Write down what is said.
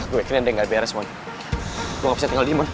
gue yakin dia yang gak beres mon gue gak bisa tinggal di sini mon